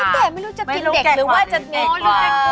ไม่รู้แต่ไม่รู้จะเป็นเด็กหรือว่าจะเด็กกว่า